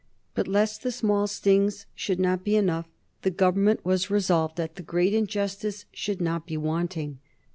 But lest the small stings should not be enough, the Government was resolved that the great injustice should not be wanting.